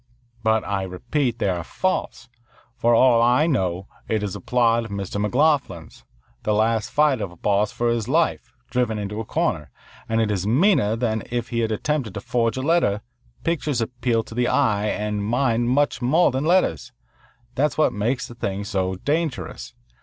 "But I repeat. They are false. For all I know, it is a plot of McLoughlin's, the last fight of a boss for his life, driven into a corner. And it is meaner than if he had attempted to forge a letter. Pictures appeal to the eye and mind much more than letters. That's what makes the thing so dangerous.